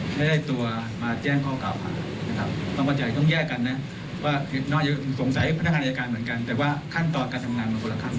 สงสัยพนักงานอยาการเหมือนกันเผื่อขั้นตอนการทำงานมันก็คนละครั้ง